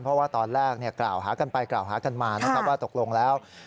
เพราะว่าตอนแรกกล่าวหากันไปกล่าวหากันมานะครับว่าตกลงแล้ว